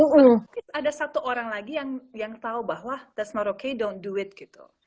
mungkin ada satu orang lagi yang tahu bahwa that's not okay don't do it gitu